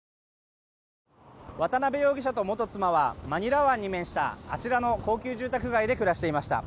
渡邉容疑者と元妻はマニラ湾に面したあちらの高級住宅街で暮らしていました。